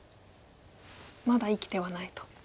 まだ生きてはないと。